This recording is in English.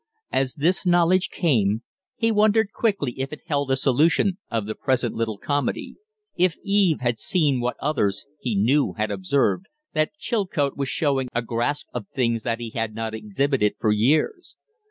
As this knowledge came, he wondered quickly if it held a solution of the present little comedy; if Eve had seen what others, he knew, had observed that Chilcote was showing a grasp of things that he had not exhibited for years.